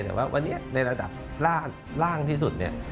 แต่ว่าวันนี้ในระดับล่างที่สุดเนี่ย